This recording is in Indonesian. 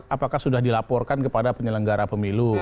apakah sudah dilaporkan kepada penyelenggara pemilu